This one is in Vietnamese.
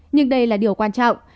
nhưng đây là điều quan trọng